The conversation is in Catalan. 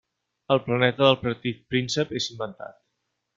El planeta del Petit Príncep és inventat.